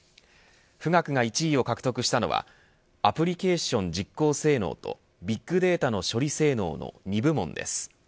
富岳が１位を獲得したのはアプリケーション実行性能とビッグデータの処理性能の２部門です。